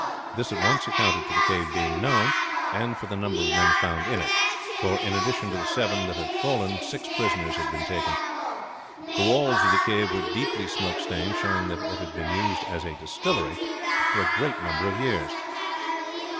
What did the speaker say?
This at once accounted for the cave being known, and for the number of men found in it; for in addition to the seven that had fallen six prisoners had been taken. The walls of the cave were deeply smoke stained, showing that it had been used as a distillery for a great number of years.